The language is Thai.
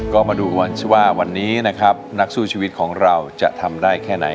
ก็มาดูกันว่าวันนี้นะครับนักสู้ชีวิตของเราจะทำได้แค่ไหน